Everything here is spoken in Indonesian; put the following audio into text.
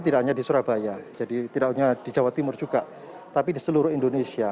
tidak hanya di surabaya jadi tidak hanya di jawa timur juga tapi di seluruh indonesia